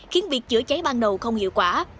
khiến việc chữa cháy ban đầu không hiệu quả